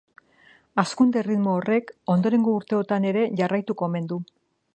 Hazkunde-erritmo horrek ondorengo urteotan ere jarraituko omen du.